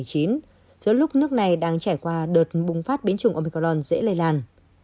trong lúc nước này đang trải qua đợt bùng phát bến chủng omicron dễ lây làn